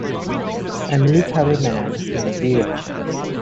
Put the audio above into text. A military man, my dear.